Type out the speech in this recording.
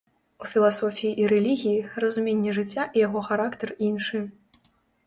У філасофіі і рэлігіі, разуменне жыцця і яго характар іншы.